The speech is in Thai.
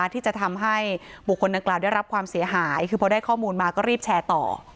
ที่จะทำให้บุคคลดังกล่าวได้รับความเสียหายคือพอได้ข้อมูลมาก็รีบแชร์ต่อ